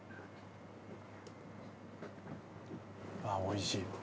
あっおいしい。